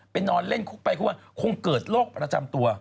ไปนอนเล่นคุกไปคุกคงเกิดโรคประจำตัว